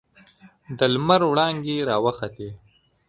د لمر وړانګې راوخوتې.